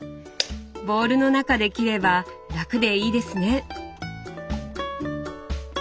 ボウルの中で切れば楽でいいですね。